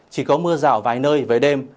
chỉ có mưa rào vài nơi với đêm